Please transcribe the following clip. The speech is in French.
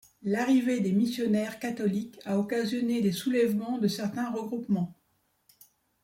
L'arrivée des missionnaires catholiques a occasionné des soulèvements de certains regroupements.